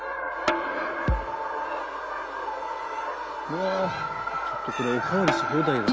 うわちょっとこれお代わりし放題や。